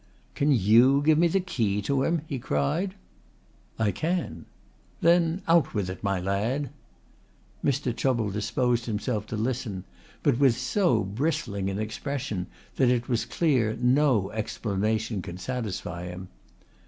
"Can you give me the key to him?" he cried. "I can." "Then out with it, my lad." Mr. Chubble disposed himself to listen but with so bristling an expression that it was clear no explanation could satisfy him.